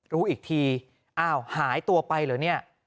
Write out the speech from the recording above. รู้อีกทีอ้าวหายตัวไปเหรอเนี่ย